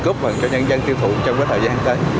cúp cho nhân dân tiêu thụ trong cái thời gian tới